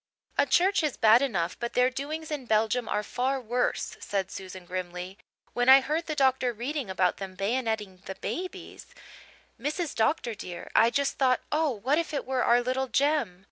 "A church is bad enough but their doings in Belgium are far worse," said Susan grimly. "When I heard the doctor reading about them bayonetting the babies, Mrs. Dr. dear, I just thought, 'Oh, what if it were our little Jem!'